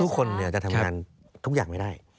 คือทุกคนเนี่ยจะทำงานทุกอย่างไม่ได้